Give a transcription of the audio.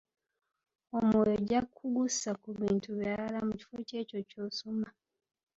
Omwoyo ojja kugussa ku bintu birala mu kifo ky’ekyo ky’osoma.